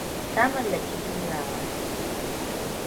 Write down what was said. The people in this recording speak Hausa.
Ta mallaki Juyawa.